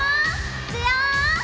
いくよ！